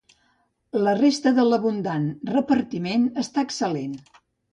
La resta de l'abundant repartiment està excel·lent.